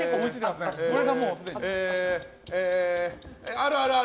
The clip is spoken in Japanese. ある、ある。